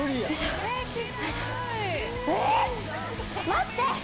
待って！